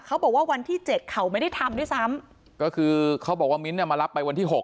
เขาบอกว่าวันที่เจ็ดเขาไม่ได้ทำด้วยซ้ำก็คือเขาบอกว่ามิ้นท์เนี่ยมารับไปวันที่หก